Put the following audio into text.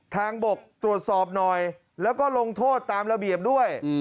ทางบกตรวจสอบหน่อยแล้วก็ลงโทษตามระเบียบด้วย